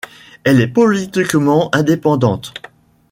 Elle est politiquement indépendante.